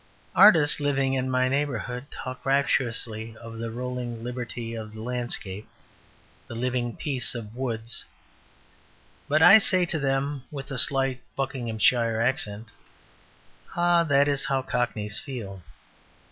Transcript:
Artists living in my neighbourhood talk rapturously of the rolling liberty of the landscape, the living peace of woods. But I say to them (with a slight Buckinghamshire accent), "Ah, that is how Cockneys feel.